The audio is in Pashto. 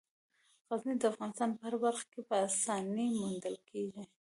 غزني د افغانستان په هره برخه کې په اسانۍ موندل کېږي.